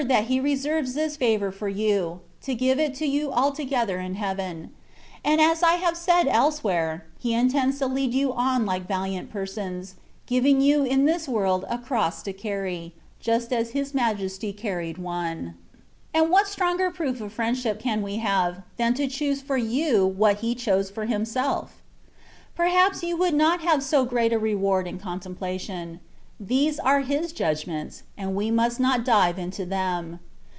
88 that he reserves this favour for you, to give it to you altogether in heaven : and as I have said else where, He intends to lead you on like valiant persons, giving you in this world a cross to carry, just as His Majesty carried one. And what stronger proof of friendship can we have, than to choose for you what he chose for Himself? Perhaps you would not have so great a reward in contemplation. These are His judgments, and we must not dive into them.